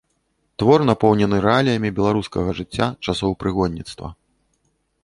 Твор напоўнены рэаліямі беларускага жыцця часоў прыгонніцтва.